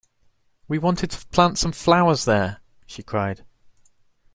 ‘We wanted to plant some flowers there,’ she cried.